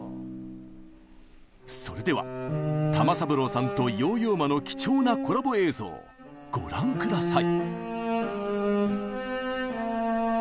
それでは玉三郎さんとヨーヨー・マの貴重なコラボ映像ご覧下さい！